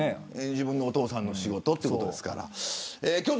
自分のお父さんの仕事ということですから。